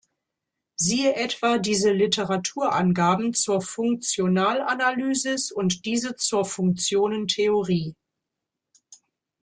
Siehe etwa diese Literaturangaben zur Funktionalanalysis und diese zur Funktionentheorie.